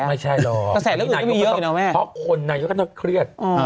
ไม่ใช่หรอกนายกก็ต้องเพราะคนกำลังเครียด